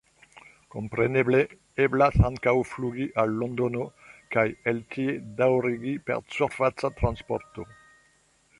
Kompreneble eblas ankaŭ flugi al Londono kaj el tie daŭrigi per surfaca transporto.